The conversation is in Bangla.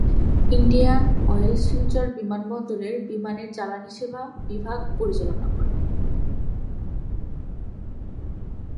ইন্ডিয়ান অয়েল শিলচর বিমানবন্দরের বিমানের জ্বালানি সেবা বিভাগ পরিচালনা করে।